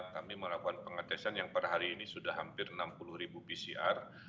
kami melakukan pengetesan yang per hari ini sudah hampir enam puluh ribu pcr